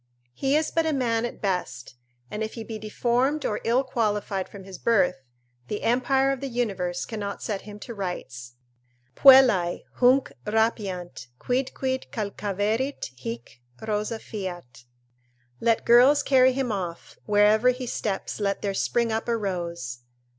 He is but a man at best, and if he be deformed or ill qualified from his birth, the empire of the universe cannot set him to rights: "Puellae Hunc rapiant; quidquid calcaverit hic, rosa fiat," ["Let girls carry him off; wherever he steps let there spring up a rose!"